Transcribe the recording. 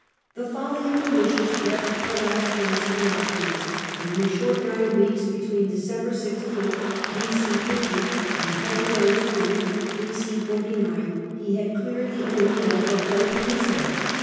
The folly of Domitius wrecked the last chance of the Optimates, and in the short nine weeks between December 16, b . o . 50, and February 20, B.c. 49, he had cleared the enemy out of the whole peninsula.